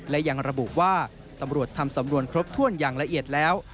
และยังระบุว่าตำรวจทำสำนวนครบถ้วนอย่างละเอียดแล้ว